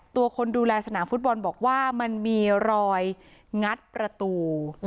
ตัวคนดูแลสนามฟุตบอลบอกว่ามันมีรอยงัดประตู